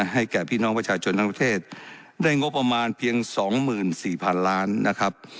แก่พี่น้องประชาชนทั้งประเทศได้งบประมาณเพียง๒๔๐๐๐ล้านนะครับ